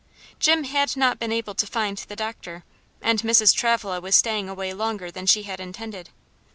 Jim had not been able to find the doctor, and Mrs. Travilla was staying away longer than she had intended.